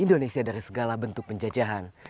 indonesia dari segala bentuk penjajahan